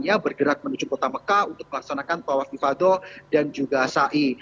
ya bergerak menuju kota mekah untuk melaksanakan tawak ifadoh dan juga sa'i